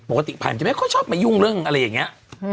ปกติไผ่มันจะไม่ค่อยชอบมายุ่งเรื่องอะไรอย่างนี้